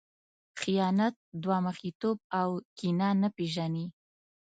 خیانت، دوه مخی توب او کینه نه پېژني.